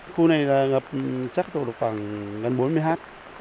khu này là ngập chắc tổ độc khoảng gần bốn mươi hát